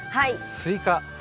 スイカ。